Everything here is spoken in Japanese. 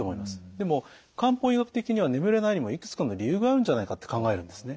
でも漢方医学的には眠れないにもいくつかの理由があるんじゃないかって考えるんですね。